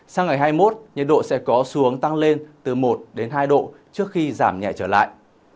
sang ngày hai mươi một nhiệt độ sẽ có xuống tăng lên từ một đến hai độ trước khi giảm nhẹ trở lại